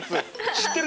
知ってる？